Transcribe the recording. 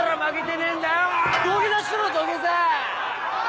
土下座しろ土下座！